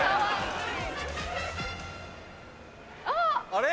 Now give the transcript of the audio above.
あれ？